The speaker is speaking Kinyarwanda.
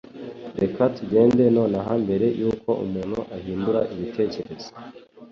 Reka tugende nonaha mbere yuko umuntu ahindura ibitekerezo